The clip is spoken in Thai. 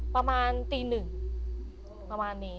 ประมาณตี๑ประมาณนี้